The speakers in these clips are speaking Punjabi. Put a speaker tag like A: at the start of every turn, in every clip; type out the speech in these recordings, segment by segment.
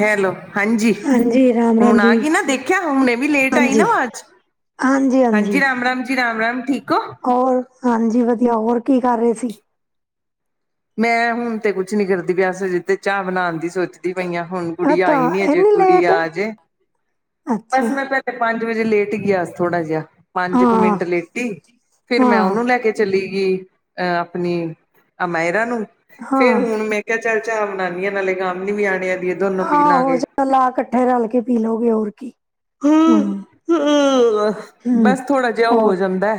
A: ਹੈਲੋ ਹਾਂਜੀ।
B: ਰਾਮ ਰਾਮ
A: ਹੁਣ
B: ਜੀ
A: ਆਗੀ ਨਾ ਦੇਖਿਆ ਹੁਣੇ ਵੀ ਲੇਟ ਆਈ
B: ਹਾਂਜੀ
A: ਨਾ ਅਵਾਜ।
B: ਹਾਂਜੀ।
A: ਹਾਂਜੀ ਰਾਮ-ਰਾਮ ਜੀ ਰਾਮ-ਰਾਮ ਠੀਕ ਓਂ?
B: ਹੋਰ ਹਾਂਜੀ ਵਧੀਆ, ਹੋਰ ਕੀ ਕਰਰੇ ਸੀ?
A: ਮੈਂ ਹੁਣ ਤੇ ਕੁਛ ਨੀ ਕਰਦੀ ਪਈ ਅਸੀਂ ਹਜੇ ਤੇ ਚਾ ਬਣਾਣ ਦੀ ਸੋਚ ਦੀ ਪਈਆਂ ਹੁਣ ਗੁੜੀਆ
B: ਅੱਛਾ
A: ਆਈ ਨੀ ਹਜੇ
B: ਇੰਨੀ ਲੇਟ
A: ਗੁੜੀਆ ਆ ਜੇ,
B: ਅੱਛਾ
A: ਬੱਸ ਮੈਂ ਪੈ ਤੇ ਪੰਜ ਵਜੇ ਲੇਟ ਗੀ ਅੱਜ ਥੋੜਾ ਜਿਆ ਪੰਜ ਕੁ
B: ਹਾਂ
A: ਮਿੰਟ ਲੇਟੀ ਫਿਰ ਮੈਂ
B: ਹਾਂ
A: ਉਨੂੰ ਲੈ ਕੇ ਚਲੀਗੀ ਅਹ ਆਪਣੀ ਅਮਾਇਰਾ ਨੂੰ ਫੇਰ
B: ਹਾਂ
A: ਹੁਣ ਮੈ ਕੇਆ ਚੱਲ ਚਾ ਬਨਾਨੀ ਆਂ ਨਾਲੇ ਗ਼ਮਨੀ ਵੀ ਆਨੇ ਆਲੀ ਐ।
B: ਆਹੋ ਚੱਲ ਅ ਕੱਠੇ ਰਲ ਕੇ ਪੀ ਲੋਗੇ ਔਰ ਕੀ, ਹੂੰ।
A: ਬਸ ਥੋੜਾ ਜਯਾ ਓ
B: ਹੋਰ
A: ਹੋ ਜਾਂਦੈ,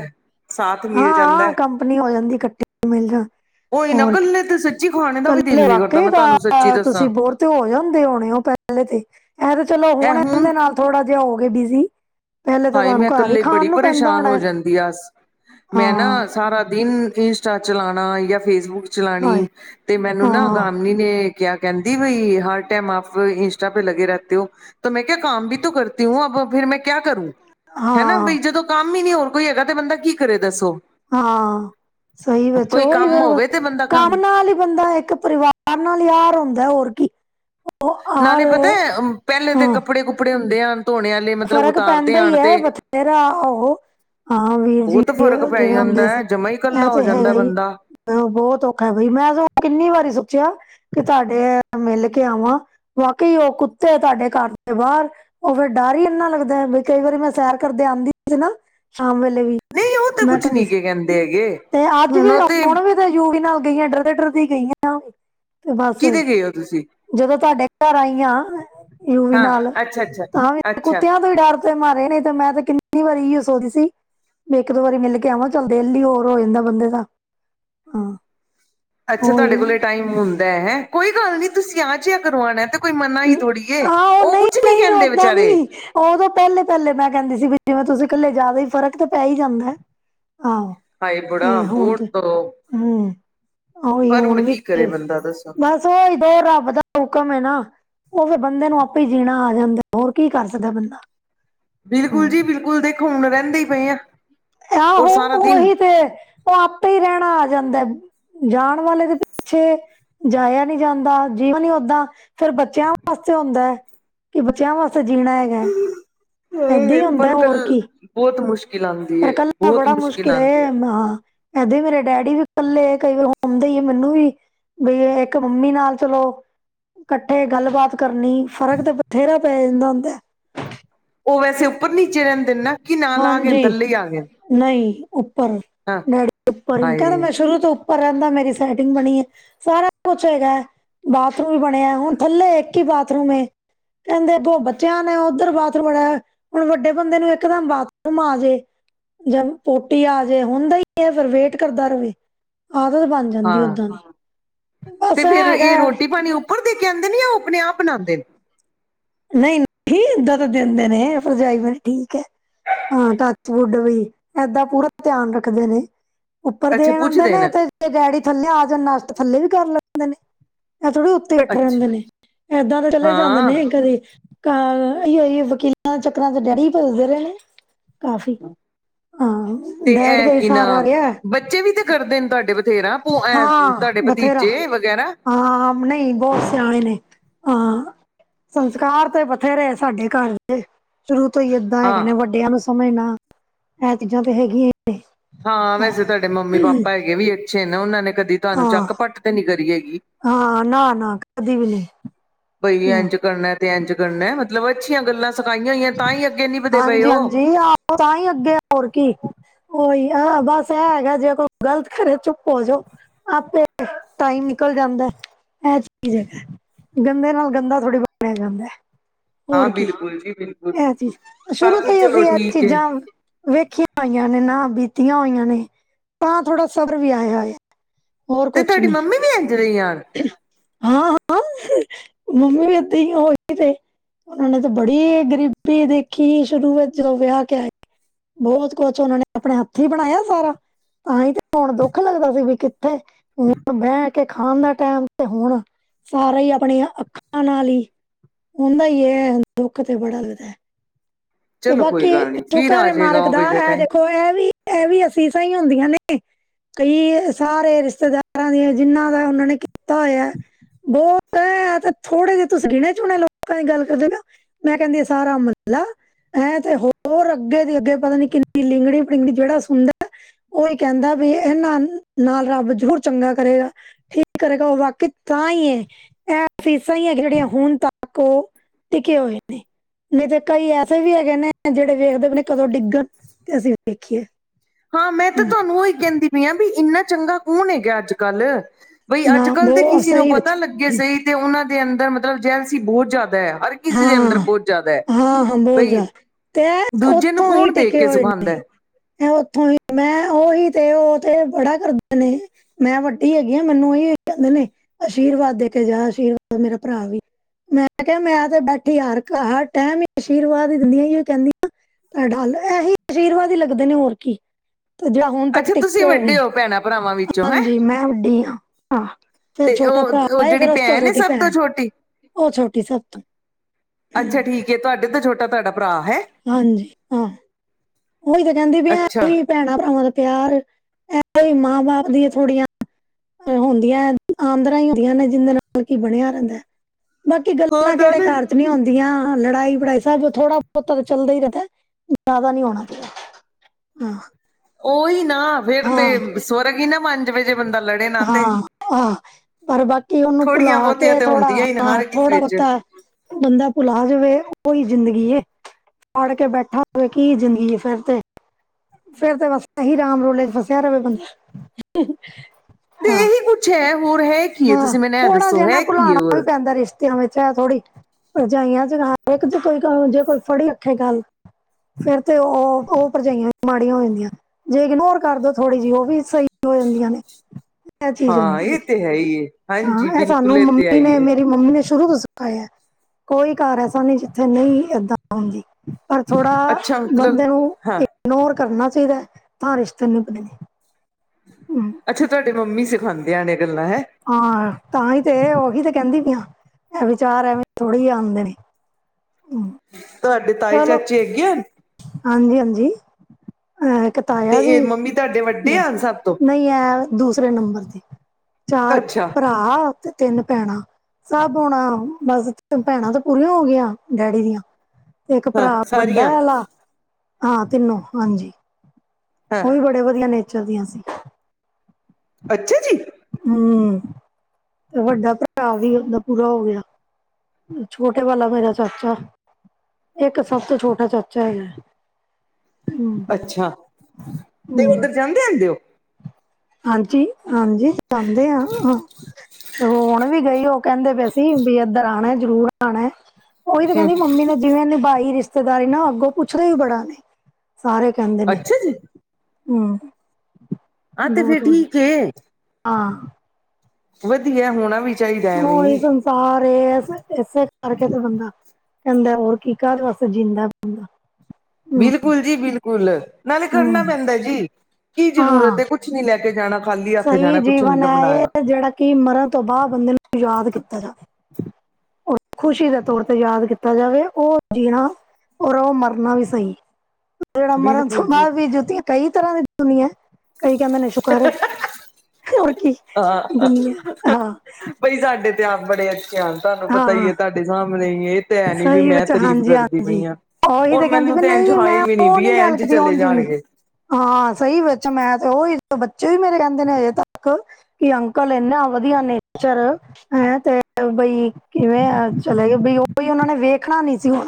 A: ਸਾਥ
B: ਹਾਂ
A: ਮਿਲ
B: ਹਾਂ
A: ਜਾਂਦੈ।
B: ਕੰਪਨੀ ਹੋ ਜਾਂਦੀ ਕੱਠੇ [unintelligible] ਮਿਲ ਜਾਂ
A: ਉਹੀ ਨਾ
B: ਹੋਰ ਕੀ,
A: ਕੱਲੇ ਤੇ ਸੱਚੀ ਖਾਣੇ ਦਾ ਵੀ ਦਿਲ
B: ਕੱਲੇ
A: ਨੀ ਕਰਦਾ
B: ਵਾਕੇ ਈ
A: ਮੈਂ ਤੁਹਾਨੂੰ ਸੱਚੀ
B: ਦਾ
A: ਦੱਸਾਂ
B: ਤੁਸੀਂ ਬੋਰ ਤੇ ਹੋ ਜਾਂਦੇ ਹੋਣੇ ਓ? ਪੈਲੇ ਤੇ ਐ ਤੇ ਚਲੋ ਹੁਣ ਐਂਦੇ ਨਾਲ ਥੋੜਾ ਜਾ ਹੋ ਗੇ ਬਿਜ਼ੀ। ਪੈਲੇ ਤੇ ਤੁਆਨੁ ਘਰ ਈ ਖਾਨ ਨੂੰ ਪੈਂਦਾ ਹੋਣਾ ਐ।
A: ਦੀ ਆਸ, ਮੈਂ ਨਾ ਸਾਰਾ ਦਿਨ ਇੰਸਟਾ ਚਲਾਣਾ ਯਾ ਫੇਸਬੁੱਕ
B: ਹਾਏ
A: ਚਲਾਣੀ ਤੇ ਮੈਨੂੰ ਨਾ
B: ਹਾਂ
A: ਗਾਮਨੀ ਨੇ ਕੇਆ ਕੈਂਦੀ ਬਈ ਹਰ ਟੈਮ ਆਪ ਇੰਸਟਾ ਪੇ ਲਗੇ ਰੈਤੇ ਓ। ਤੇ ਮੈਂ ਕੇਆ ਕਾਮ ਵੀ ਤੋ ਕਰਤੀਂ ਊਂ ਅਬ ਫਿਰ ਮੈਂ ਕੇਆ ਕਰੂੰ? ਹੈਨਾ
B: ਹਾਂ
A: ਬਈ ਜਦੋਂ ਕੰਮੀ ਨੀਂ ਔਰ ਕੋਈ ਹੈਗਾ ਤੇ ਬੰਦਾ ਕੀ ਕਰੇ ਦੱਸੋ?
B: ਹਾਂ ਸਈ ਵਿੱਚ ਓਈ ਫਿਰ ਹੋ
A: ਏ ਤੇ ਬੰਦਾ ਕੰਮ
B: ਨਾਲੀ ਬੰਦਾ ਇੱਕ ਪਰਿਵਾਰ ਨਾਲ ਈ ਆਰ ਹੋਂਦੈ ਔਰ ਕੀ। ਉਹ ਆਰ
A: ਨਾਲੇ ਪਤਾ ਐ ਪੈਲੇ ਤੇ
B: ਹਾਂ
A: ਕੱਪੜੇ-ਕੁਪੜੇ ਹੁੰਦੇ ਅਨ
B: ਫ਼ਰਕ ਪੈਂਦਾ ਈ ਐ ਬਥੇਰਾ ਆਹੋ ਹਾਂ ਵੀਰ ਜੀ
A: ਬਹੁਤ ਫ਼ਰਕ ਪੈ
B: ਜੇ
A: ਜਾਂਦਾ
B: ਹੁੰਦੇ
A: ਹੈ
B: ਸੀ
A: ਜਮਾ ਹੀ
B: ਐ
A: ਇਕੱਲਾ ਹੋ
B: ਤੇ ਹੈਗਾ
A: ਜਾਂਦਾ
B: ਈ।
A: ਬੰਦਾ
B: ਬੌਤ ਔਖਾ ਐ ਬਈ ਮੈਂ ਸਗੋਂ ਕਿੰਨੀ ਵਾਰੀ ਸੋਚਿਆ ਕਿ ਤੁਆਡੇ ਮਿਲ ਕੇ ਆਵਾਂ। ਬਾਾਕੇ ਈ ਓ ਕੁੱਤੇ ਤੁਆਡੇ ਘਰ ਦੇ ਬਾਰ ਓ ਫੇਰ ਡਰ ਈ ਇੰਨਾ ਲੱਗਦਾ ਐ ਬਈ ਕਈ ਵਾਰੀ ਮੈਂ ਸੈਰ ਕਰਦੇ ਆਂਦੀ ਸੀ ਨਾ, ਸ਼ਾਮ ਵੇਲੇ ਵੀ।
A: ਨਹੀਂ ਉਹ ਤਾਂ
B: ਮੈਂ
A: ਕੁਛ
B: ਕੈੱਦੀ
A: ਨੀ
B: ਸੀ
A: ਕੇ ਕਹਿੰਦੇ ਹੈਗੇ
B: ਤੇ ਅੱਜ ਵੀ,
A: ਹੁਣ ਉਹ
B: ਹੁਣ ਵੀ ਤੇ ਯੂਵੀ ਨਾਲ ਗਈ ਆਂ ਡਰਦੇ-ਡਰਦੀ ਗਈ ਆਂ। ਤੇ ਬਸ
A: ਕਿਤੇ ਗਏ ਹੋ ਤੁਸੀਂ
B: ਜਦੋਂ ਤੁਆਡੇ ਘਰ ਆਈ ਆਂ ਯੂਵੀ
A: ਹਾਂ
B: ਨਾਲ
A: ਅੱਛਾ ਅੱਛਾ
B: ਤਾਂ ਵੀ
A: ਅੱਛਾ
B: ਕੁੱਤੇਆਂ ਤੋਂ ਈ ਡਰਦੇ ਮਾਰੇ ਨਈ ਤੇ ਮੈਂ ਤੇ ਕਿੰਨੀ ਵਾਰੀ ਅਇਓ ਸੋਚਦੀ ਸੀ। ਵੀ ਇੱਕ-ਦੋ ਵਾਰੀ ਮਿਲ ਕੇ ਆਵਾਂ ਚੱਲ ਦਿੱਲ ਈ ਹੋਰ ਹੋ ਜਾਂਦਾ ਬੰਦੇ ਦਾ, ਹਾਂ।
A: ਅੱਛਾ
B: ਉਹੀ
A: ਤੁਆਡੇ ਕੋਲੇ ਟਾਈਮ ਹੁੰਦੈ ਹੈਂ ਕੋਈ ਗੱਲ ਤੁਸੀਂ ਆ ਜਯਾ ਕਰੋ ਆਣੈ ਤੇ ਕੋਈ ਮਨਾ
B: ਹੂੰ
A: ਹੀ ਥੋੜੀਏ
B: ਹਾਂ ਓ
A: ਉਹ ਕੁਛ ਨੀ
B: ਨਈ-ਨਈ
A: ਕਹਿੰਦੇ
B: ਓਦਾਂ
A: ਵਿਚਾਰੇ
B: ਨੀ। ਓਦੋਂ ਪੈਲੇ ਪੈਲੇ ਮੈਂ ਕੈਂਦੀ ਸੀ ਵੀ ਜਿਵੇਂ ਤੁਸੀਂ ਕੱਲੇ ਜਾਦਾ ਈ ਫਰਕ ਤੇ ਪੈ ਈ ਜਾਂਦੈ, ਹਾਂ।
A: ਹਾਏ ਬੜਾ
B: ਤੇ ਹੁਨ
A: ਬੋਟ
B: ਤੇ,
A: ਤੋਂ
B: ਹੂੰ ਹਾਂ ਓਇਓ
A: ਪਰ
B: ਹੁਣ ਵੀ
A: ਕੀ ਕਰੇ
B: ਕਲੇ
A: ਬੰਦਾ ਦੱਸੋ
B: ਬਸ ਓਈ ਦੋ ਰੱਬ ਦਾ ਉਕਮ ਏ ਨਾ ਓ ਫੇਰ ਬੰਦੇ ਨੂੰ ਆਪੇ ਈ ਜੀਣਾ ਆ ਜਾਂਦੈ, ਹੋਰ ਕੀ ਕਰ ਸਕਦੈ ਬੰਦਾ।
A: ਬਿਲਕੁਲ
B: ਹਮ।
A: ਜੀ ਬਿਲਕੁਲ ਦੇਖੋ ਉਣ ਰੈਂਦੇ ਈ ਪੇ ਆਂ, ਔਰ
B: ਆਹੋ
A: ਸਾਰਾ ਦਿਨ।
B: ਉਹੀ ਤੇ ਓ ਆਪੇ ਈ ਰੈਣਾ ਆ ਜਾਂਦੈ, ਜਾਣ ਵਾਲੇ ਦੇ ਪਿੱਛੇ ਜਾਯਾ ਨੀ ਜਾਂਦਾ ਜੀਵਨ ਈ ਓਦਾਂ ਫੇਰ ਬੱਚੇਆਂ ਵਾਸਤੇ ਹੁੰਦਾ ਐ। ਕਿ ਬੱਚੇਆਂ ਵਾਸਤੇ ਜੀਣਾ ਹੈਗਾ ਐ।
A: ਓਈ ਪਰ ਕੱਲ ਬੋਤ ਮੁਸ਼
B: ਪਰ ਕੱਲਾ ਬੜਾ ਮੁਸ਼ਕਿਲ ਏ ਹਾਂ। ਐਦੇ ਮੇਰੇ ਡੈਡੀ ਵੀ ਕੱਲੇ ਕਈ ਵਾਰ ਹੋਂਦਾ ਈ ਐ ਮੈਨੂੰ ਵੀ ਵੀ ਇੱਕ ਮੰਮੀ ਨਾਲ ਚੱਲੋ ਕੱਠੇ ਗੱਲਬਾਤ ਕਰਨੀ ਫਰਕ ਤੇ ਬਥੇਰਾ ਪੈ ਜਾਂਦਾ ਹੁੰਦਾ ਐ।
A: ਓ ਵੈਸੇ ਉੱਪਰ ਨੀਚੇ ਰੈਂਦੇਨ ਨਾ ਕਿ ਨਾਲ ਆ ਗਏ ਥੱਲੇ ਈ ਆ ਗਏਨ?
B: ਨਈ ਉੱਪਰ, ਡੈਡੀ ਉੱਪਰ ਕੈਂਦੇ
A: ਹਾਏ
B: ਮੈਂ ਸ਼ੁਰੂ ਤੋਂ ਉਪ ਪਰ ਰੈਂਦਾ ਮੇਰੀ ਸਟਿੰਗ ਬਣੀ ਏ ਸਾਰਾ ਕੁਛ ਹੈਗਾ। ਬਾਥਰੂਮ ਵੀ ਬਣਿਆ ਹੁਣ ਥੱਲੇ ਏਕ ਹੀ ਬਾਥਰੂਮ ਏ ਕਹਿੰਦੇ ਦੋ ਬੱਚਿਆਂ ਨੇ ਉੱਧਰ ਬਾਥਰੂਮ [unintelligible] ਹੁਣ ਵੱਡੇ ਬੰਦੇ ਨੂੰ ਇੱਕ ਦਮ ਬਾਥਰੂਮ ਆ ਜੇ ਜਾਂ ਪੋਟੀ ਆ ਜੇ ਹੁੰਦਾ ਹੀ ਹੈ ਫੇਰ ਵੇਟ ਕਰਦਾ ਰਵੇ ਆਦਤ ਬਨ ਜਾਂਦੀ
A: ਹਾਂ
B: ਓਦਾਂ ਦੀ
A: ਤੇ
B: ਬਸ ਇਹ
A: ਫੇਰ
B: ਹੈਗਾ
A: ਰੋਟੀ [unintelligible] ਦੇ ਕਹਿੰਦੇ ਨੇ ਉਹ ਆਪਣੇ ਆਪ ਬਣਾਉਂਦੇ ਨੇ [unintelligible]
B: ਨਹੀਂ ਨਹੀਂ ਏਦਾਂ ਤਾਂ ਦੇਂਦੇ ਨੇ ਭਰਜਾਈ ਬੜੀ ਠੀਕ ਐ ਹਾਂ ਟਚਵੁੱਡ ਬਈ ਏਦਾਂ ਪੂਰਾ ਧਿਆਨ ਰੱਖਦੇ ਨੇ ਉੱਪਰ
A: ਅੱਛਾ
B: ਦੇਣ ਆਂਦੇ
A: ਪੁੱਛਦੇ
B: ਨੇ ਤੇ ਜੇ ਡੈਡੀ ਥੱਲੇ ਆ ਜਾਨ ਨਾਸ਼ਤਾ ਥੱਲੇ ਵੀ ਕਰ ਲੈਂਦੇ ਨੇ ਐ ਥੋੜੀ ਬੈਠੇ
A: ਅੱਛਾ
B: ਰਹਿੰਦੇ ਨੇ ਏਦਾਂ ਦੇ ਚਲੇ ਜਾਂਦੇ ਨੇ
A: ਹਾਂ
B: ਕਦੀ ਅਹੀੳ ਅਹੀੳ ਵਕੀਲਾਂ ਦੇ ਚੱਕਰਾਂ ਚ ਡੈਡੀ ਭਜਦੇ ਰਹੇ ਨੇ ਕਾਫ਼ੀ ਹਾਂ
A: ਤੇ
B: ਡੈਡੀ
A: ਇਹ
B: ਦਾ
A: ਕੀ ਨਾ
B: ਸਹਾਰਾ ਰੇਹਾ
A: ਬੱਚੇ ਵੀ ਤੇ ਕਰਦੇ ਨ ਤੁਹਾਡੇ ਬਥੇਰਾ ਭੁਅ ਐ
B: ਹਾਂ
A: ਤੁਹਾਡੇ
B: ਬਥੇਰਾ
A: ਭਤੀਜੇ ਵਗੈਰਾ
B: ਹਾਂ ਨਹੀਂ ਬੋਤ ਸਿਆਣੇ ਨੇ ਆ ਸੰਸਕਾਰ ਤੇ ਬਥੇਰੇ ਸਾਡੇ ਘਰ ਸ਼ੁਰੂ ਤੋਂ ਹੀ ਏਦਾਂ
A: ਹਾਂ
B: ਹੇਗੇ ਨੇ ਵੱਡੇਆਂ ਨੂੰ ਸਮਜਨਾ ਇਹ ਚੀਜ਼ਾਂ ਤੇ ਹੈਗੀਆਂ ਹੀ ਨੇ
A: ਹਾਂ ਵੈਸੇ ਤੁਹਾਡੇ ਮੰਮੀ ਪਾਪਾ ਹੈਗੇ ਵੀ ਅੱਛੇ ਨੇ ਉਹਨਾਂ ਨੇ ਕਦੀ ਤੁਹਾਨੂੰ
B: ਹਾਂ
A: ਚੱਕ ਪੱਟ ਤੇ ਨੀ ਕਰੀ ਹੈਗੀ।
B: ਹਾਂ ਨਾ ਨਾ ਕਦੀ ਵੀ ਨਹੀਂ
A: ਬਈ
B: ਹਾਂ,
A: ਏਂਜ ਕਰਨਾ ਤੇ ਏਜ ਕਰਨਾ ਮਤਲਬ ਅੱਛੀਆਂ ਗੱਲਾਂ ਸਖਾਈਆਂ ਹੋਈਆਂ ਤਾਂਹੀ ਅੱਗੇ ਨਿਬਦੇ ਪਏ ੳ
B: ਤੇ ਤਾਂ ਹੀ ਅੱਗੇ ਹੋਰ ਕੀ ਉਹੀ ਹਾਂ ਬਸ ਇਹ ਹੈਗਾ ਜੇ ਕੋਈ ਗ਼ਲਤ ਕਰੇ ਚੁੱਪ ਹੋ ਜੋ। ਆਪੇ ਟਾਈਮ ਨਿਕਲ ਜਾਂਦਾ ਇਹ ਚੀਜ਼ ਐ ਗੰਦੇ ਨਾਲ ਗੰਦਾ ਥੋੜੀ ਬਣੇਆ ਜਾਂਦਾ।
A: ਹਾਂ
B: ਹੋਰ ਕੀ
A: ਬਿਲਕੁਲ ਜੀ ਬਿ
B: ਇਹ ਚੀਜ਼ ਸ਼ੁਰੂ ਤੋਂ ਹੀ ਅਸੀ ਇਹ
A: ਠੀਕ ਹੈ
B: ਚੀਜ਼ਾਂ ਵੇਖੀਆਂ ਹੋਈਆਂ ਨੇ ਨਾ ਬੀਤੀਆਂ ਹੋਈਆਂ ਨੇ ਤਾਂ ਥੋੜਾ ਸਬਰ ਵੀ ਆਇਆ ਹੋਇਆ। ਹੋਰ
A: ਤੇ
B: ਕੋਛ
A: ਤੁਹਾਡੀ
B: ਨੀ।
A: ਵੀ ਮੰਮੀ ਅੰਜਦੀਹੀਆਂ [unintelligible] [unintelligible]
B: ਹਾਂ ਹਾਂ ਮੰਮੀ ਏਦਾਂ ਹੋ ਗਈ ਤੇ [unintelligible] [unintelligible] ਉਹਨਾਂ ਨੇ ਤੇ ਬੜੀ ਗਰੀਬੀ ਦੇਖੀ ਸ਼ੁਰੂ ਵਿੱਚ ਜਦੋਂ ਵਿਆਹ ਕੇ ਆਏ ਬੋਤ ਕੁਛ ਉਹਨਾਂ ਨੇ ਅਪਣੇ ਹੱਥੀਂ ਬਣਾਇਆ ਸਾਰਾ ਤਾਂ ਹੀ ਤੇ ਹੋਣ ਦੁੱਖ ਲੱਗਦਾ ਸੀ ਵੀ ਕਿੱਥੇ ਹ ਬਹਿ ਕੇ ਖਾਨ ਦਾ ਟਾਇਮ ਤੇ ਹੁਣ ਸਾਰੇ ਈ ਆਪਣੀਆਂ ਅੱਖਾਂ ਨਾਲ ਈ ਹੁੰਦਾ ਈ ਐ ਦੁੱਖ ਤੇ ਬੜਾ ਲੱਗਦਾ। ਤੇ
A: ਚਲੋ
B: ਬਾਕੀ
A: ਕੋਈ ਗੱਲ ਨੀ ਫਿਰ
B: ਟੁਕਰ
A: ਆ
B: ਐ
A: ਜਾਏਗਾ
B: ਮਾਲਕ
A: ਉਹ
B: ਦਾ
A: ਵਜੇ
B: ਇਹ
A: ਟਾਈਮ
B: ਦੇਖੋ ਇਹ ਵੀ ਇਹ ਵੀ ਅਸੀਸਾਂ ਹੀ ਹੁੰਦੀਆਂ ਨੇ। ਕਈ ਸਾਰੇ ਰਿਸ਼ਤੇਦਾਰਾਂ ਦੀਆਂ ਜਿੰਹਨਾਂ ਦਾ ਉਹਨਾਂ ਨੇ ਕੀਤਾ ਹੋਇਆ। ਬੋਤ ਇਹ ਤੇ ਥੋੜੇ ਜਿਹੇ ਤੁਸੀਂ ਗਿਣੇ ਚੁਣੇ ਲੋਕਾਂ ਦੀ ਗੱਲ ਕਰਦੇ ਪੈ ੳ ਮੈਂ ਕਹਿੰਦੀ ਆ ਸਾਰਾ ਮਹੱਲਾ ਇਹ ਤੇ ਹੋਰ ਅੱਗੇ ਦੇ ਅੱਗੇ ਪਤਾ ਨੀ ਕਿੰਨੀ ਲਿੰਗਣੀ ਪਿੰਗੜੀ ਜਿਹੜਾ ਸੁਨਦਾ। ਉਹੀ ਕਹਿੰਦਾ ਵੀ ਇਹਨਾਂ ਨਾਲ ਰੱਬ ਜ਼ਰੂਰ ਚੰਗਾ ਕਰੇਗਾ ਠੀ ਕੀ ਕਰੇਗਾ ਉਹ ਬਾਕੀ ਤਾਂ ਈ ਏ ਇਹ ਸੀਸਾਂ ਹੀ ਹੇਗੀਆ ਜਿਹੜੀਆਂ ਹੁਣ ਤੱਕ ਉਹ ਟਿਕੇ ਹੋਏ ਨੇ। ਨਹੀਂ ਤੇ ਕਈ ਐਸੇ ਵੀ ਹੈਗੇ ਨੇ ਜਿਹੜੇ ਵੇਖਦੇ ਪਏ ਨੇ ਕਦੋਂ ਡਿੱਗਣ ਤੇ ਅਸੀਂ ਵੇਖੀਏ।
A: ਹਾਂ, ਮੈਂ ਤੇ
B: ਹਮ,
A: ਤੁਹਾਨੂੰ ਉਹੀ ਕਹਿੰਦੀ ਪਈ ਆ ਵੀ ਇੰਨਾ ਚੰਗਾ ਕੌਨ ਹੈਗਾ ਅੱਜ-ਕੱਲ੍ਹ? ਬਈ ਅੱਜ
B: ਨਾ
A: ਕੱਲ੍ਹ ਤੇ
B: ਬਹੁਤ
A: ਕਿਸੇ ਨੂੰ
B: ਸਹੀ ਵਿੱਚ
A: ਪਤਾ ਲੱਗੇ ਸਹੀ ਤੇ ਉਹਨਾਂ ਦੇ ਅੰਦਰ ਮਤਲਬ ਜੈਲਸੀ ਬੋਤ ਜੈਦਾ ਏ ਹਰ ਕਿਸੇ ਦੇ
B: ਹਾਂ
A: ਅੰਦਰ ਬਹੁਤ ਜ਼ਿਆਦਾ ਹੈ
B: ਹਾਂ ਹਾਂ ਬਹੁ
A: ਬਈ
B: ਜਾਦਾ। ਤੇ
A: ਦੂਜੇ ਨੂੰ
B: ਉਥੋਂ ਹੀ
A: ਕੌਣ ਦੇਖ
B: ਟਕੇ
A: ਕੇ
B: ਹੋਏ
A: ਸਿਖਾਉਂਦਾ
B: ਨੇ। ਉੱਥੋਂ ਈ ਮੈਂ ਉਹੀ ਤੇ ਉ ਤੇ ਬੜਾ ਕਰਦੇ ਨੇ। ਮੈਂ ਵੱਡੀ ਹੈਗੀ ਆ ਮੈਨੂੰ ਐਈੳ ਈ ਕੈਂਦੇ ਨੇ, ਆਸ਼ੀਰਵਾਦ ਦੇ ਕੇ ਜਾ, ਆਸ਼ੀਰਵਾਦ ਮੇਰਾ ਭਰਾ ਵੀ। ਮੈਂ ਕਿਹਾ, ਮੈਂ ਤੇ ਬੈਠੀ ਹਰ ਘ ਹਰ ਟਾਈਮ ਹੀ ਆਸ਼ੀਰਵਾਦ ਈ ਦਿੰਦੀਆਂ ਉ ਕਹਿੰਦੀ ਆ। ਤਾਂ ਡੱਲ ਐਹੀ ਆਸ਼ੀਰਵਾਦ ਈ ਲੱਗਦੇ ਨੇ ਹੋਰ ਕੀ। ਜੇੜਾ ਹੁਨ ਤੱਕ
A: ਅੱਛਾ
B: ਟਿਕੇ
A: ਤੁਸੀਂ
B: ਹੋਏ ਨੇ।
A: ਵੱਡੇ ਹੋ ਭੈਣਾਂ ਭਰਾਵਾਂ ਵਿੱਚੋਂ ਹੈਂ
B: ਹਾਂਜੀ ਮੈਂ ਵੱਡੀ ਹਾਂ ਫੇਰ
A: ਤੇ
B: ਛੋਟਾ ਭਰਾ
A: ਉਹ ਉਹ
B: ਆਏ
A: ਜਿਹੜੀ
B: ਫੇਰ ਉਸ ਤੋਂ
A: ਭੈਣ ਏ
B: ਛੋਟੀ
A: ਸਭ ਤੋਂ
B: ਭੈਨ,
A: ਛੋਟੀ
B: ਉ ਛੋਟੀ ਸਭ ਤੋਂ।
A: ਅੱਛਾ ਠੀਕ ਏ, ਤੁਹਾਡੇ ਤੋ ਛੋਟਾ ਤੁਹਾਡਾ ਭਰਾ ਹੈ?
B: ਹਾਂਜੀ ਹਾਂ। ਉਈ ਤੇ ਕੈਂਦੀ ਵੀ
A: ਅੱਛਾ
B: ਐਹੀ ਭੈਣਾਂ ਭਰਾਵਾਂ ਦਾ ਪਿਆਰ ਐਹੀ ਮਾਂ ਬਾਪ ਦੀਆਂ ਥੋੜੀਆਂ ਹੁੰਦੀਆਂ ਆੰਦਰਾ ਈ ਹੁੰਦੀਆਂ ਨੇ ਜਿਂਦੇ ਨਾਲ ਕੀ ਬਣਿਆ ਰੈਂਦਾ ਏ। ਬਾਕੀ
A: ਹਾਂ
B: ਗੱਲਾਂ ਕੇੜੇ
A: ਨਾਲੇ
B: ਕਾਰ- ਨੀ ਹੁੰਦੀਆਂ ਲੜਾਈ-ਵੜਾਈ ਸਭ ਥੋੜਾ ਬਹੁਤ ਚੱਲਦਾ ਈ ਰੈਂਦਾ ਜਾਦਾ ਨੀ ਹੋਨਾ। ਹਾਂ।
A: ਉਈ ਨਾ। ਫੇਰ ਤੇ
B: ਹਾਂ
A: ਸਵਰਗ ਈ ਨਾ ਵਨ ਜਵੇ ਜੇ ਬੰਦਾ ਲੜੇ ਨਾ ਤੇ।
B: ਹਾਂ ਹਾਂ ਪਰ ਬਾਕੀ ਉਹਨੂੰ ਭੁਲਾ
A: ਥੋੜੀਆਂ ਬੋਤੀਆਂ
B: ਕੇ
A: ਤੇ
B: ਥੋੜਾ
A: ਹੁੰਦੀਆਂ ਈ ਨੇ
B: ਹਾਂ
A: ਹਰ ਕਿਸੀ
B: ਥੋੜਾ
A: ਵਿੱਚ।
B: ਬਹੁਤਾ ਬੰਦਾ ਭੁਲਾ ਜਾਵੇ ਉਈ ਜ਼ਿੰਦਗੀ ਏ। ਫੜ ਕੇ ਬੈਠਾ ਹੋਵੇ ਕੀ ਜ਼ਿੰਦਗੀ ਫੇਰ ਤੇ। ਫੇਰ ਤੇ ਬਸ ਏਹੀ ਰਾਮ ਰੋਲੇ ਚ ਫਸਿਆ ਰਵੇ ਬੰਦਾ ਹਾਂ।
A: ਕੁਛ ਹੈ ਹੋਰ ਹੈ- ਕੀ ਏ
B: ਹਾਂ
A: ਤੁਸੀਂ ਮੈਨੂੰ ਇਹ
B: ਥੋੜਾ
A: ਦੱਸੋ
B: ਜਿਹਾ ਨਾ
A: ਹੈ ਕੀ ਏ
B: ਭੁਲਾਣਾ ਵੀ
A: ਹੋਰ
B: ਪੈਂਦਾ ਰਿਸ਼ਤ- ਤੇਆਂ ਵਿੱਚ ਹੈ ਥੋੜ੍ਹੀ, ਭਰਜਾਈਆਂ ਚ ਹਰ ਇੱਕ ਚ ਕੋਈ ਜੇ ਕੋਈ ਫੜੀ ਰੱਖੇ ਗੱਲ। ਫੇਰ ਤੇ ਉ ਉ ਭਰਜਾਈਆਂ ਮਾੜੀਆਂ ਹੋ ਜਾਂਦੀਆਂ। ਜੇ ਇਗਨੋਰ ਕਰਦੋ ਥੋੜੀ ਜਿਹੀ, ਉ ਵੀ ਸਹੀ ਹੋ ਜਾਂਦੀਆਂ ਨੇ। ਇਹ ਚੀਜ਼
A: ਹਾਂ
B: ਹੁੰਦੀ
A: ਏ ਤੇ ਹੈ ਈ ਏ, ਹਾਂਜੀ
B: ਹਾਂ ਇਹ
A: ਬਿਲਕੁਲ
B: ਸਾਨੂੰ
A: ਏ ਤੇ ਹੈ
B: ਮੰਮੀ
A: ਈ
B: ਨੇ
A: ਏ।
B: ਮੇਰੀ ਮੰਮੀ ਨੇ ਸ਼ੁਰੂ ਤੋਂ ਸਿਖਾਇਆ, ਕੋਈ ਘਰ ਐਸਾ ਨਈ ਜਿੱਥੇ ਨਈ ਏਦਾਂ- ਆਉਂਦੀ, ਪਰ ਥੋੜਾ
A: ਅੱਛਾ ਮਤਲਬ
B: ਬੰਦੇ ਨੂੰ
A: ਹਾਂ
B: ਇ ਇਗਨੋਰ ਕਰਨਾ ਚਾਈਦੈ, ਤਾਂ ਰਿਸ਼ਤੇ ਨਿਬਦੇ ਨੇ। ਹੂੰ।
A: ਅੱਛਾ, ਤੁਹਾਡੇ ਮੰਮੀ ਸਿਖਾਉਂਦੇ ਨੇ ਏ ਗੱਲਾਂ ਹੈ।
B: ਹਾਂ ਤਾਂ ਈ ਤੇ ਉਹੀ ਤੇ ਕੈਂਦੀ ਪਈ ਆ ਐ ਵਿਚਾਰ ਐਵੇਂ ਥੋੜ੍ਹੀ ਆਦੇ ਨੇ। ਹੂੰ।
A: ਤੁਹਾਡੇ ਤਾਈ, ਚਾਚੀ ਹੈਗੇ ਆ?
B: ਹਾਂਜੀ-ਹਾਂਜੀ ਅਹ
A: ਤੇ
B: ਤਾਇਆ
A: ਇਹ
B: ਜੀ
A: ਮੰਮੀ ਤੁਹਾਡੇ ਵੱਡੇ ਹਨ ਸਭ ਤੋਂ
B: ਨਈ ਐ ਦੂਸਰੇ ਨੰਬਰ ਤੇ। ਚਾਰ
A: ਅੱਛਾ
B: ਭਰਾ ਤੇ ਤਿੰਨ ਭੈਨਾ। ਸਭ ਹੁਣ ਬਸ ਭੈਣਾਂ ਤਾਂ ਪੂਰੀਆਂ ਹੋ ਗਈਆਂ, ਡੈਡੀ ਦੀਆਂ। ਤੇ ਇੱਕ
A: ਹਾਂ
B: ਭਰਾ ਵੱਡਾ
A: ਸਾਰੀਆਂ
B: ਆਲਾ, ਹਾਂ ਤਿੰਨੋ ਹਾਂਜੀ।
A: ਹਾਂ
B: ਉ ਵੀ ਬੜੇ ਵਧੀਆ ਨੇਚਰ ਦੀਆਂ ਸੀ।
A: ਅੱਛੇ ਜੀ।
B: ਹੂੰ ਤੇ ਵੱਡਾ ਭਰਾ ਵੀ ਉਦਾ ਪੂਰਾ ਹੋ ਗਿਆ। ਛੋਟੇ ਵਾਲਾ ਮੇਰਾ ਚਾਚਾ ਏਕ ਸਭ ਤੋਂ ਛੋਟਾ ਚਾਚਾ ਹੈਗਾ। ਹਮ
A: ਅੱਛਾ, ਤੇ
B: ਹਮ
A: ਓਧਰ ਜਾਂਦੇ ਆਂਦੇ ਓ?
B: ਹਾਂਜੀ- ਹਾਂਜੀ ਜਾਂਦੇ ਆ ਹੁਣ ਵੀ ਗਈ ਓਹ ਕੇਂਦੇ ਪਏ ਸੀ ਵੀ ਏਧਰ ਆਣਾ ਜਰੂਰ ਆਣਾ। ਓਹੀ ਤੇ
A: ਹਮ
B: ਕੇਂਦੀ ਮੰਮੀ ਨੂੰ ਜਿਵੇਂ ਨਿਭਾਈ ਰਿਸ਼ਤੇਦਾਰੀ ਨਾ ਅੱਗੋਂ ਪੁੱਛਦੇ ਈ ਬੜਾ ਨੇ ਸਾਰੇ ਕੇਂਦੇ ਨੇ,
A: ਅੱਛਾ ਜੀ
B: ਹੂੰ।
A: ਹਾਂ ਤੇ ਫੇਰ
B: ਬੋਤ ਵੱਧੀਆ,
A: ਠੀਕ
B: ਹਾਂ।
A: ਵੱਧੀਆ ਹੋਣਾ ਵੀ ਚਾਹੀਦਾ
B: ਹੋ
A: ਐਵੇਂ
B: ਏ
A: ਹੀ
B: ਸਮ ਸਾਰਰੇ ਏਸ -ਏਸੇ ਕਰਕੇ ਤੇ ਬੰਦਾ ਕੇਂਦਾ ਹੋਰ ਕੀ ਕਾਦੇ ਵਾਸਤੇ ਜੀਂਦਾ ਬੰਦਾ। ਹਮ
A: ਬਿਲਕੁਲ ਜੀ ਬਿਲਕੁਲ ਨਾਲੇ
B: ਹਮ
A: ਕਰਨਾ ਪੈਂਦਾ ਜੀ ਕੀ ਜਰੂਰਤ
B: ਹਾਂ
A: ਐ ਕੁਛ ਕੁਛ ਨੀ ਲੈ ਕੇ ਜਾਣਾ। ਖਾਲੀ ਹੱਥ
B: ਸਹੀ
A: ਜਾਣਾ ਕੁਛ ਨੀ
B: ਜੀਵਨ ਐ
A: ਲੱਭਣਾ ਹੈਗਾ
B: ਏ ਜੇੜਾ ਕਿ ਮਰਨ ਤੋਂ ਬਾਅਦ ਬੰਦੇ ਨੂੰ ਯਾਦ ਕੀਤਾ ਜਾਵੇ। ਓ ਖੁਸ਼ੀ ਦੇ ਤੌਰ ਤੇ ਯਾਦ ਕੀਤਾ ਜਾਵੇ, ਓ ਜੀਣਾ ਔਰ ਓ ਮਰਨਾ ਵੀ ਸਈ ਏ। ਜੇੜਾ ਮਰਨ ਤੋਂ
A: ਬਿਲਕੁਲ ਜੀ
B: ਬਾਅਦ ਵੀ ਜੁੱਤੀਆਂ ਕਈ ਤਰ੍ਹਾਂ ਦੀ ਦੁਨੀਆਂ ਆਂ ਕਈ ਕੇਂਦੇ ਨੇ ਸ਼ੁਕਰ ਏ। ਹੋਰ ਕੀ
A: ਹਾਂ
B: ਦੁਨੀਆਂ ਹਾਂ।
A: ਬਈ ਸਾਡੇ ਤੇ ਆਪ ਬੜੇ ਅੱਛੇ ਆ ਤੁਆਨੂੰ ਪਤਾ ਈ
B: ਹਾਂ
A: ਆ ਤੁਆਡੇ ਸਾਮਣੇ ਈ ਏ ਤੇ ਹੈ ਨੀ ਵੀ
B: ਸਹੀ
A: ਮੈਂ
B: ਵਿੱਚ
A: ਤਾਰੀਫ਼
B: ਹਾਂਜੀ
A: ਕਰਦੀ ਪਈ
B: ਹਾਂਜੀ
A: ਆ।
B: ਉਹੀ
A: ਔਰ
B: ਕਹਿੰਦੀ
A: ਮੈਨੂੰ
B: ਵੀ
A: ਤੇ ਏੰਝ
B: ਨਹੀਂ ਮੈਂ
A: ਹੈ ਨੀ
B: ਉਹ
A: ਬੀ
B: ਨਹੀਂ
A: ਏ
B: ਗੱਲ
A: ਏਂਝ
B: ਕੀਤੀ
A: ਚਲੇ
B: ਉਂਝ ਵੀ
A: ਜਾਣਗੇ।
B: ਹਾਂ ਸਈ ਵਿੱਚ ਮੈਂ ਤੇ ਉਹੀ ਬੱਚੇ ਵੀ ਮੇਰੇ ਕੇਂਦੇ ਨੇ ਹਜੇ ਤੱਕ ਕਿ ਅੰਕਲ ਏਂਨਾ ਵੱਧੀਆ ਨੇਚਰ ਹੈਂ ਤੇ ਬਈ ਕਿਵੇਂ ਚੱਲੇਗਾ ਬਈ ਓ ਕੋਈ ਓਨਾ ਨੇ ਵੇਖਣਾ ਨੀ ਸੀਗਾ,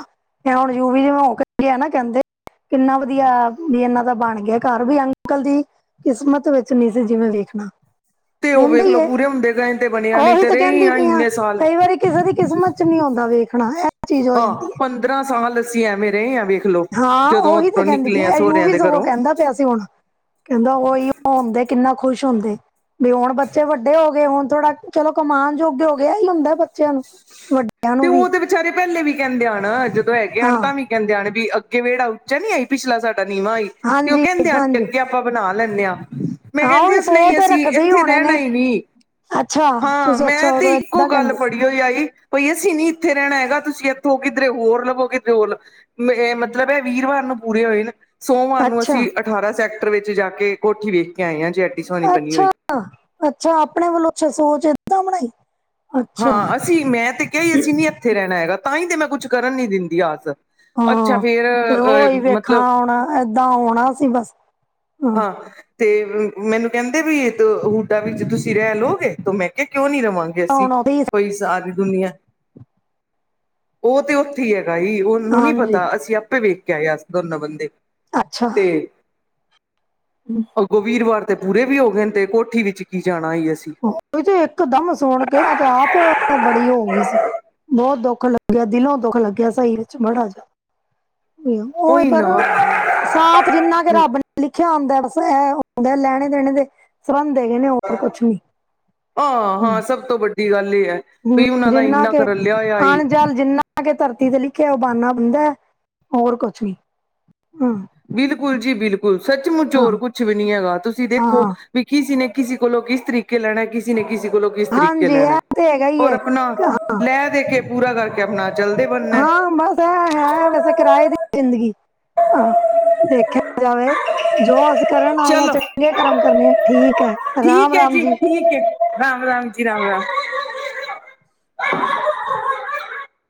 B: ਐ ਹੁਣ ਯੁਵੀ ਨੂੰ ਇਕੱਠੇ ਨਾ ਕੇਂਦੇ ਕਿੰਨਾ ਵਧੀੱਆ ਵੀ ਏਨਾਂ ਦਾ ਬਣ ਗੇਆ ਘਰ ਵੀ ਅੰਕਲ ਦੀ ਕਿਸਮਤ ਵਿੱਚ ਨੀ ਸੀ ਜਿਵੇਂ ਵੇਖਣਾ
A: ਤੇ ਉਹ ਵੇਖ
B: ਹੁੰਦੀ
A: ਲਓ
B: ਏ,
A: ਪੂਰੇ ਹੁੰਦੇ ਗਏ ਤੇ ਬਣਿਆ ਨਹੀਂ
B: ਓਹੀ ਤੇ
A: ਰਹੇ
B: ਕੇਂਦੀ ਪਈ ਆ
A: ਇੰਨੇ ਸਾਲ
B: ਕਈ ਵਾਰੀ ਕਿਸੇ ਦੀ ਕਿਸਮਤ 'ਚ ਨੀ ਹੁੰਦਾ ਵੇਖਣਾ ਹਰੇਕ ਚੀਜ਼ ਹੋ
A: ਹਾਂ
B: ਜਾਂਦੀ ਐ।
A: ਪੰਦਰਾਂ ਸਾਲ ਅਸੀ ਐਵੇਂ ਰਏ ਆ ਵੇਖ ਲੋ।
B: ਹਾਂ ਉਹੀ ਤੇ ਕੇਂਦੀ ਪਈ ਆ ਯੂਵੀ ਸਗੋਂ
A: ਘਰੋਂ
B: ਕੇਂਦਾ ਪਿਆ ਸੀ ਹੁਣ ਕੇਂਦਾ ਉਹੀ ਓ ਹੁੰਦੇ ਕਿੰਨਾ ਖੁਸ਼ ਹੁੰਦੇ। ਵੀ ਹੁਣ ਬੱਚੇ ਵੱਡੇ ਹੋ ਗਏ ਹੁਣ ਥੋੜਾ ਚਲੋ ਕਮਾਨ ਯੋਗੇ ਹੋ ਗਏ ਐਹੀ ਹੁੰਦਾ ਬੱਚੇਆਂ ਨੂੰ ਵੱਡੇ
A: ਤੇ ਉਹ ਤੇ ਵਿਚਾਰੇ ਪੇਲੇ ਵੀ ਕੇਂਦੇ ਆਣ ਜਦੋਂ ਹੈਗੇ ਆਣ
B: ਹਾਂ
A: ਤਾਂ ਵੀ ਕੈਂਦੇ ਆਣੇ ਵੀ ਅੱਗੇ ਵੇੜਾ ਉੱਚਾ ਨੀ ਆਈ ਪਿਛਲਾ ਸਾਡਾ ਨੀਵਾਂ ਆਈ ਤੇ ਉਹ
B: ਹਾਂਜੀ
A: ਕੇਂਦੇ ਆ
B: ਹਾਂਜੀ
A: ਅੱ ਆਪਾਂ ਬਣਾ ਲੈਂਣੇ ਆ, ਮੈਂ
B: ਹਾਂ
A: ਕੇਂਦੀ
B: ਉਹੀ
A: ਅ
B: ਸੋਚ
A: ਨਈ
B: ਤੇ
A: ਅਸੀਂ
B: ਰੱਖਦੇ ਹੀ
A: ਏਥੇ
B: ਹੋਣੇ
A: ਰੈਣਾ
B: ਨੇ
A: ਨੀ
B: ਅੱਛਾ
A: ਹਾਂ
B: ਤੁਸੀਂ ਅੱਛਾ
A: ਮੈਂ ਤੇ
B: ਉਦੋਂ
A: ਇੱਕੋ
B: ਏਦਾਂ
A: ਗੱਲ
B: ਕਹਿੰਦੇ ਸੀ
A: ਫੜੀ ਹੋਈ ਆਈ ਭਈ ਅਸੀਂ ਨੀ ਏਥੇ ਰੈਣਾ ਹੈਗਾ ਤੁਸੀਂ ਏਥੋ ਕਿਧਰੇ ਹੋਰ ਲਵੋ ਕਿੱਧਰੇ ਹੋਰ ਮੇ ਏ ਮਤਲਬ ਏ ਵੀਰਵਾਰ ਨੂੰ ਪੂਰੇ ਹੋਏ ਨੇ ਸੋਮਵਾਰ ਨੂੰ
B: ਅੱਛਾ
A: ਅਸੀਂ ਅਠਾਰਾਂ ਸੈਕਟਰ ਵਿੱਚ ਜਾ ਕੇ ਕੋਠੀ ਵੇਖ ਕੇ ਆਏ ਹਾਂ ਜੇ ਸੋਹਣੀ ਬਣੀ
B: ਅੱਛਾ-
A: ਹੋਈ
B: ਅੱਛਾ, ਅੱਛਾ ਆਪਣੇ ਵੱਲੋਂ ਅੱਛਾ ਸੋਚ ਏਦਾਂ ਬਣਾਈ ਅੱਛਾ
A: ਹਾਂ ਅਸੀਂ ਮੈਂ ਤੇ ਕੇਆ ਸੀ ਅਸੀਂ ਨੀ ਏਥੇ ਰੈਣਾ ਹੈਗਾ ਤਾਂ ਈ ਤੇ ਮੈਂ ਕੁਛ ਕਰਨ ਨੀ ਦਿੰਦੀ ਆਸ ਅੱਛਾ
B: ਹਾਂ,
A: ਫੇਰ
B: ਤੇ ਓ ਈ
A: ਅ
B: ਵੇਖੋ
A: ਮਤਲਬ
B: ਹੁਣ ਏਦਾਂ ਹੋਣਾ ਸੀ ਬਸ
A: ਹਾਂ ਤੇ ਮੈਨੂੰ ਕੇਂਦੇ ਵੀ ਇ ਹੁਡਾ ਵਿੱਚ ਤੁਸੀਂ ਰੈ ਲਓਗੇ ਤੋ ਮੈਂ ਕੇਆ ਕਿਉਂ ਨੀ ਰਵਾਂਗੇ। ਕਿ ਅਸੀ,
B: ਹੁਣ ਉਹਦੀ
A: ਕੋਈ ਸਾਰੀ ਦੁਨੀਆਂ ਓ ਤੇ ਓ ਕੀ ਹੈਗਾ ਈ ਓੰਨੂ ਨੀ
B: ਹਾਂਜੀ
A: ਪਤਾ ਅਸੀਂ ਆਪੇ ਵੇਖ ਕੇ ਆਏ ਅਸ ਦੋਨੋ ਬੰਦੇ।
B: ਅੱਛਾ
A: ਤੇ
B: ਹਮ
A: ਅੱਗੋਂ ਵੀਰਵਾਰ ਤੇ ਪੂਰੇ ਵੀ ਹੋ ਗਏ, ਤੇ ਕੋਠੀ ਵਿੱਚ ਕੀ ਜਾਣਾ ਹੀ ਅਸੀਂ।
B: ਉਹੀ ਤੇ, ਇੱਕ ਦਮ ਸੁਨ ਕੇ ਮੈਂ ਤੇ ਆਪ ਬੜੀ ਹੋ ਗਈ ਸੀ। ਬਹੁਤ ਦੁੱਖ ਲੱਗਿਆ, ਦਿਲੋਂ ਦੁੱਖ ਲੱਗਿਆ, ਸਹੀ ਵਿੱਚ ਬੜਾ ਜਾਦਾ ਨਿਯਮ, ਉਈ
A: ਉਹੀ
B: ਪਰ।
A: ਨਾ
B: ਸਾਥ ਜਿੰਨਾ ਕਿ ਰੱਬ ਨੇ ਲਿਖਿਆ ਹੁੰਦਾ, ਬਸ ਹੈ ਹੁੰਦਾ ਲੈਣੇ ਦੇਣੇ ਦੇ ਸਬੰਧ ਹੈਗੇ ਨੇ ਹੋਰ ਕੁਛ ਨੀਂ
A: ਹਾਂ- ਹਾਂ ਸਭ ਤੋਂ ਵੱਡੀ ਗੱਲ ਇਹ ਐ, ਵੀ ਉਹਨਾਂ ਦਾ ਇੰਨਾ ਕੁ ਰੱਲਿਆ ਹੋਇਆ ਈ
B: ਆ ਕੇ ਧਰਤੀ ਤੇ ਲਿਖਿਆ ਓ ਬਾਨਾ ਬਣਦਾ, ਹੋਰ ਕੁਛ ਨੀਂ, ਹਾਂ
A: ਬਿਲਕੁਲ ਜੀ ਬਿਲਕੁਲ, ਸੱਚਮੁੱਚ ਔਰ
B: ਹਾਂ
A: ਕੁਛ ਵੀ ਨੀ ਹੈਗਾ, ਤੁਸੀਂ ਦੇਖੋ
B: ਹਾਂ
A: ਵੀ ਕਿਸੀ ਨੇ, ਕਿਸੇ ਕੋਲੋਂ ਕਿਸ ਤਰੀਕੇ ਲੈਣਾ ਕਿਸ ਕਿਸੀ ਨੇਂ ਕਿਸੇ ਕੋਲੋਂ ਤਰੀਕੇ
B: ਹਾਂਜੀ ਇਹ
A: ਲੈਣਾ,
B: ਤੇ ਹੈਗਾ ਹੀ
A: ਔਰ
B: ਹੈ
A: ਆਪਣਾ,
B: ਹਾਂ
A: ਲੈ ਦੇ ਕੇ, ਪੂਰਾ ਕਰਕੇ ਆਪਣਾ ਚੱਲਦੇ
B: ਆਂ ਬਸ ਉਹ ਤੇ ਹੈ- ਵੈਸੇ ਕਿਰਾਏ ਦੀ ਜ਼ਿੰਦਗੀ, ਹਾਂ ਦੇਖਿਆ ਜਾਵੇ। ਜੋ ਅਸੀਂ ਕਰਨ ਆਏ,
A: ਚਲੋ
B: ਚੰਗੇ ਕਰਮ ਕਰਨੇ ਆ, ਠੀਕ ਐ, ਰਾਮ-
A: ਠੀਕ ਹੈ
B: ਰਾਮ ਜੀ।
A: ਠੀਕ ਹੈ ਰਾਮ- ਰਾਮ ਜੀ ਰਾਮ- ਰਾਮ ਹੈ